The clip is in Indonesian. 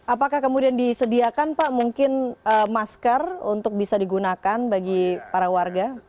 apakah kemudian disediakan pak mungkin masker untuk bisa digunakan bagi para warga